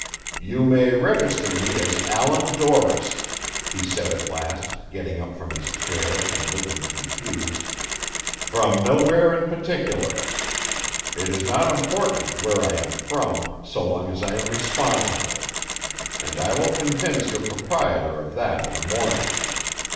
"You may register me as Allan Dorris," he said at last, getting up from his chair, and looking confused, "from Nowhere in Particular. It is not important where I am from, so long as I am responsible; and I will convince your proprietor of that in the morning.